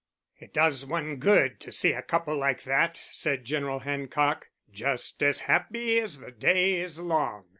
"It does one good to see a couple like that," said General Hancock, "just as happy as the day is long."